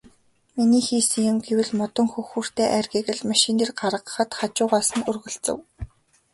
Миний хийсэн юм гэвэл модон хөхүүртэй айргийг л машин дээр гаргахад хажуугаас нь өргөлцөв.